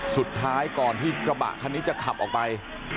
สุดท้ายก่อนที่กระบะคันนี้จะขับออกไป